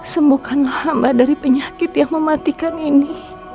sembuhkanlah hamba dari penyakit yang mematikan ini